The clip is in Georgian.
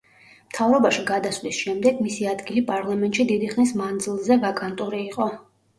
მთავრობაში გადასვლის შემდეგ მისი ადგილი პარლამენტში დიდი ხნის მანძლზე ვაკანტური იყო.